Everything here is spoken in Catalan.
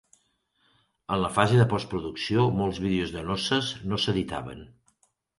En la fase de postproducció, molts vídeos de noces no s'editaven.